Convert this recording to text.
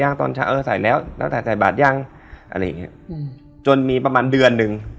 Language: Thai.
นอนเสร็จปุ๊บ